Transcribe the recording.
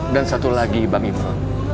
dan satu lagi bang ibu